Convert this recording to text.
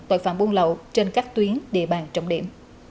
tội phạm buôn lậu trên các tuyến địa bàn trọng điểm